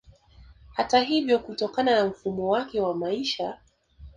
Hata hivyo kutokana na mfumo wake wa maisha